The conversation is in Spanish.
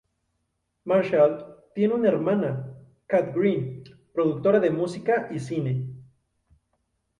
Marshall tiene una hermana, Kat Green, productora de música y cine.